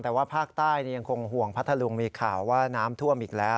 แต่ว่าภาคใต้ยังคงห่วงพัทธลุงมีข่าวว่าน้ำท่วมอีกแล้ว